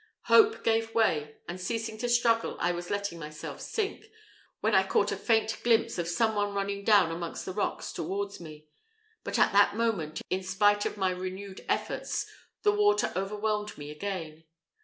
Hope gave way, and ceasing to struggle, I was letting myself sink, when I caught a faint glimpse of some one running down amongst the rocks towards me, but at that moment, in spite of my renewed efforts, the water overwhelmed me again.